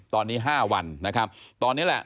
ตอนนี้๕วันนะครับตอนนี้แหละ